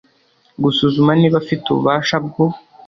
gusuzuma niba afite ububasha bwo